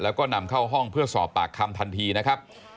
แล้วก็นำเข้าห้องเพื่อสอบปากคำทันทีนะครับ